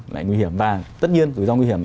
lại nguy hiểm và tất nhiên rủi ro nguy hiểm